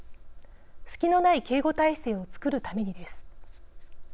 「隙」のない警護態勢を作るために、です。